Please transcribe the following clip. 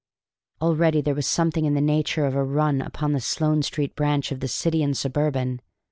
Already there was something in the nature of a "run" up on the Sloane Street branch of the City and Suburban.